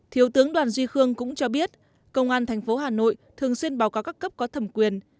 thiếu tướng đoàn duy khương cũng cho biết công an tp hà nội thường xuyên báo cáo các cấp có thẩm quyền